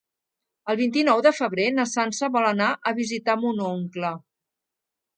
El vint-i-nou de febrer na Sança vol anar a visitar mon oncle.